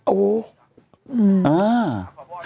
โอ้โห